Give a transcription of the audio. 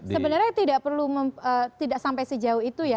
sebenarnya tidak perlu tidak sampai sejauh itu ya